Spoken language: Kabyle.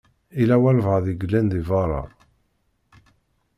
Yella walebɛaḍ i yellan di beṛṛa.